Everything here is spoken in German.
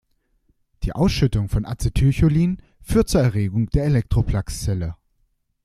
Die Ausschüttung von Acetylcholin führt zur Erregung der Elektroplax-Zelle.